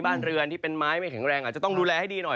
บ้านเรือนที่เป็นไม้ไม่แข็งแรงอาจจะต้องดูแลให้ดีหน่อย